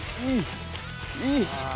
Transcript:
いい。